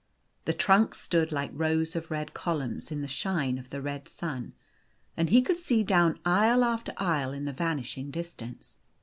The trunks stood like rows of red columns in the shine of the red sun, and he could see down aisle after aisle in the vanishing distance.